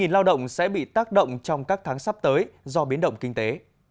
bảy mươi lao động sẽ bị tác động trong các tháng sắp tới do biến động kinh tế